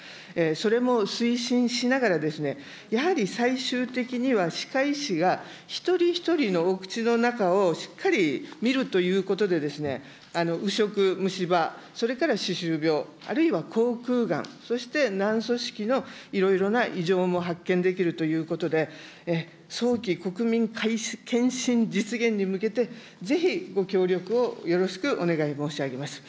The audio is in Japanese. それも推進しながら、やはり最終的には歯科医師が一人一人のお口の中をしっかり見るということでですね、う蝕、虫歯、それから歯周病、あるいは口腔がん、そして軟組織のいろいろな異常も発見できるということで、早期国民皆健診実現に向けて、ぜひ、ご協力をよろしくお願い申し上げます。